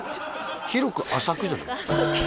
広く浅くじゃない？